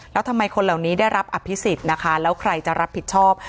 แล้วทำไมคนเหล่านี้ได้รับอภิษฎนะคะแล้วใครจะรับผิดชอบ